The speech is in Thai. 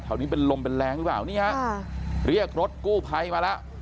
นี้เป็นลมเป็นแรงหรือเปล่านี่ฮะเรียกรถกู้ภัยมาแล้ว